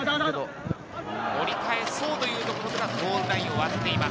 折り返そうというところ、ゴールラインを割っています。